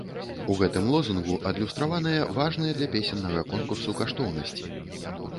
У гэтым лозунгу адлюстраваныя важныя для песеннага конкурсу каштоўнасці.